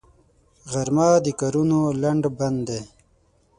غرمه د کارونو لنډ بند دی